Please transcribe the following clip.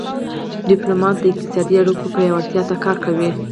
ډيپلومات د اقتصادي اړیکو پیاوړتیا ته کار کوي.